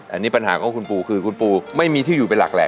อันนี้ปัญหาของคุณปูคือคุณปูไม่มีที่อยู่เป็นหลักแห